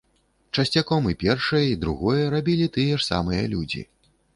Часцяком і першае, і другое рабілі тыя ж самыя людзі.